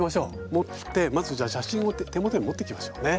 持ってまずじゃあ写真を手元に持ってきましょうね。